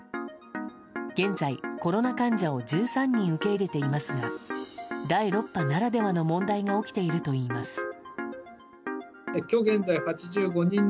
現在、コロナ患者を１３人受け入れていますが第６波ならではの問題が起きているといいます。